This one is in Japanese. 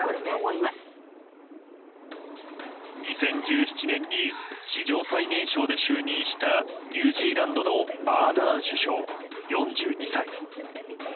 ２０１７年に史上最年少で就任したニュージーランドのアーダーン首相、４２歳。